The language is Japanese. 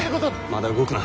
まだ動くな。